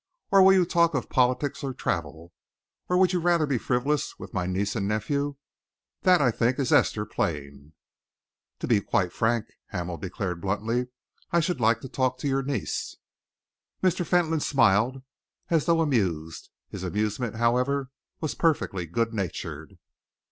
Or will you talk of politics or travel? Or would you rather be frivolous with my niece and nephew? That, I think, is Esther playing." "To be quite frank," Hamel declared bluntly, "I should like to talk to your niece." Mr. Fentolin smiled as though amused. His amusement, however, was perfectly good natured.